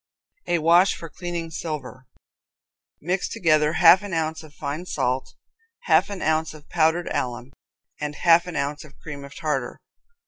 A Wash for Cleaning Silver. Mix together half an ounce of fine salt, half an ounce of powdered alum, and half an ounce of cream of tartar.